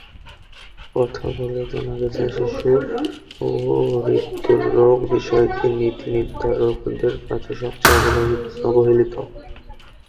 কথা বলে জানা গেছে, শিশু হৃদ্রোগ বিষয়টি নীতিনির্ধারকদের কাছে সবচেয়ে অবহেলিত।